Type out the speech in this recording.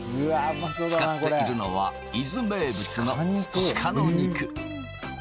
使っているのは伊豆名物の鹿の肉。